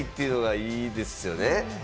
いいですよね。